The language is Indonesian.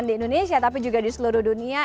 di indonesia tapi juga di seluruh dunia